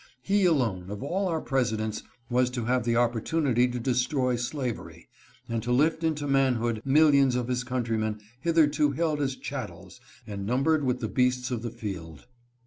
He alone of all our Presidents was to have the opportunity to destroy slavery, and to lift into manhood millions of his countrymen hitherto held as chattels and numbered with the beasts of the field.